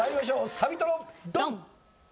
サビトロドン！